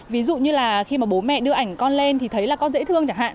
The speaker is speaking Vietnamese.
ví dụ như là khi mà bố mẹ đưa ảnh con lên thì thấy là con dễ thương chẳng hạn